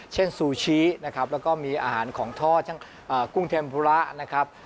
เช่นซูชิและก็มีอาหารของทอดอย่างกุ้งเทมปุระ